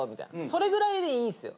それぐらいでいいんですよ。